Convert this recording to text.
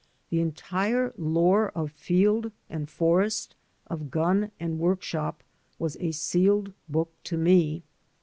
The entire lore of field and forest, of gun and workshop, was a sealed book to me.